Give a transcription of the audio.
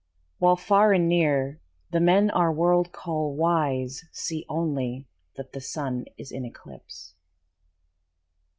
While far and near the men our world call wise See only that the Sun is in eclipse.